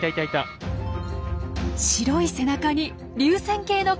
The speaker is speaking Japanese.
白い背中に流線型の体。